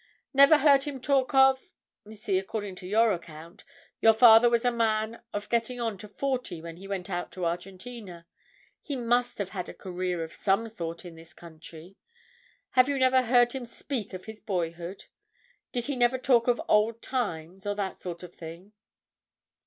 "Never heard him talk of—you see, according to your account, your father was a man of getting on to forty when he went out to Argentina. He must have had a career of some sort in this country. Have you never heard him speak of his boyhood? Did he never talk of old times, or that sort of thing?"